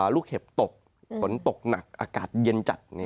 ลูกเห็บตกฝนตกหนักอากาศเย็นจัด